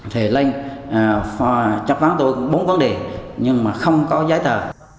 thì lên chất vấn tôi bốn vấn đề nhưng mà không có giải thờ